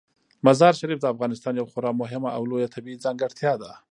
مزارشریف د افغانستان یوه خورا مهمه او لویه طبیعي ځانګړتیا ده.